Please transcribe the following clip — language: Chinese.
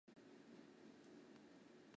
我也不知道在哪里